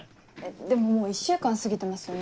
でももう１週間過ぎてますよね。